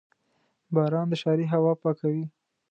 • باران د ښاري هوا پاکوي.